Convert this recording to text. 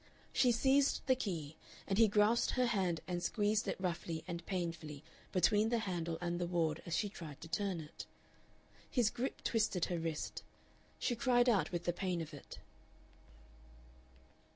She seized the key, and he grasped her hand and squeezed it roughly and painfully between the handle and the ward as she tried to turn it. His grip twisted her wrist. She cried out with the pain of it.